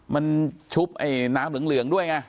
มันชุบน้ำเหลืองด้วยไง